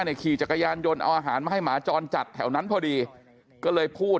ขี่จักรยานยนต์เอาอาหารมาให้หมาจรจัดแถวนั้นพอดีก็เลยพูด